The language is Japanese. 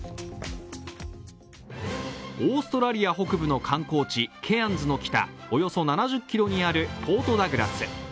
オーストラリア北部の観光地ケアンズの北、およそ７０ｋｍにあるポートダグラス。